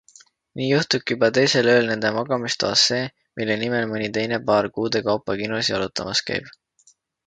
Nii juhtubki juba teisel ööl nende magamistoas see, mille nimel mõni teine paar kuude kaupa kinos ja jalutamas käib.